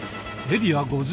エリア